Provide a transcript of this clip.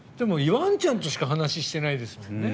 ワンちゃんとしか話してないですもんね。